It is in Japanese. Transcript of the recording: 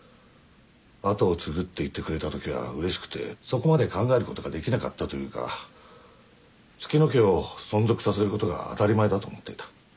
跡を継ぐって言ってくれたときはうれしくてそこまで考えることができなかったというか月乃家を存続させることが当たり前だと思っていた。